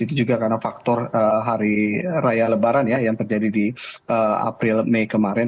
itu juga karena faktor hari raya lebaran ya yang terjadi di april mei kemarin